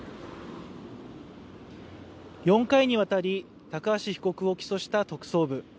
４回にわたり高橋被告を起訴した特捜部。